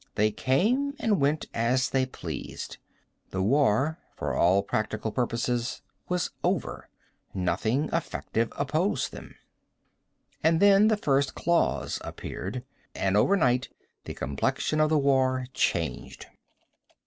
They came and went as they pleased. The war, for all practical purposes, was over. Nothing effective opposed them. And then the first claws appeared. And overnight the complexion of the war changed.